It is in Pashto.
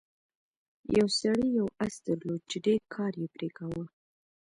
یو سړي یو اس درلود چې ډیر کار یې پرې کاوه.